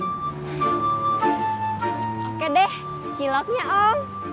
oke deh ciloknya om